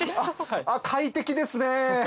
快適ですね。